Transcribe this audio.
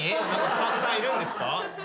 スタッフさんいるんですか？